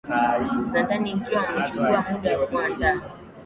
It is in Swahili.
za ndani Ikiwa umechukua muda wa kuandaa